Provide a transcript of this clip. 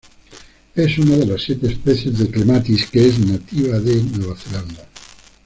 Es una de las siete especies de "clematis" que es nativa de Nueva Zelanda.